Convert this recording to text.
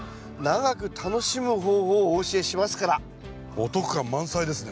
お得感満載ですね